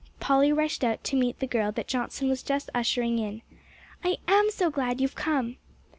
Polly rushed out to meet the girl that Johnson was just ushering in. "I am so glad you've come!"